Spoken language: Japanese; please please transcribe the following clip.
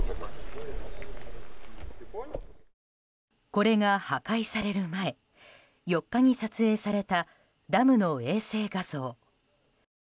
これが、破壊される前４日に撮影されたダムの衛星画像。